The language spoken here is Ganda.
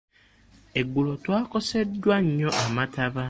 Eggulo twakoseddwa nnyo amataba.